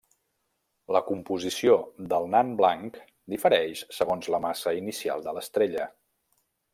La composició del nan blanc difereix segons la massa inicial de l'estrella.